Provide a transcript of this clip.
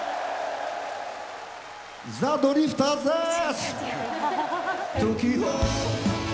ザ・ドリフターズです。